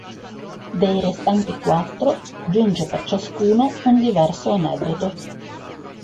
Dei restanti quattro giunge per ciascuno un diverso aneddoto.